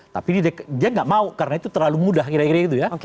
tapi dia nggak mau karena itu terlalu mudah kira kira gitu ya